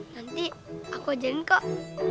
nanti aku ajarin kok